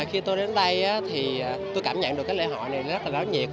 khi tôi đến đây thì tôi cảm nhận được cái lễ hội này rất là đáo nhiệt